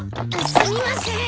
すみません。